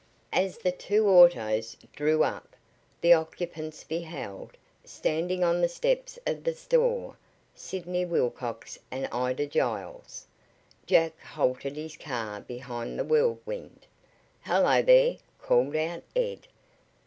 As the two autos drew up, the occupants beheld, standing on the steps of the store, Sidney Wilcox and Ida Giles. Jack halted his car behind the Whirlwind. "Hello there!" called out Ed.